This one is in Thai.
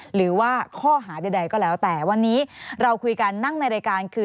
หรือว่าข้อหาใดก็แล้วแต่วันนี้เราคุยกันนั่งในรายการคือ